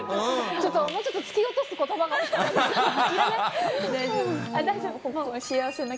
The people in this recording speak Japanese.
ちょっと、もうちょっと突き落とすことばが欲しくないですか。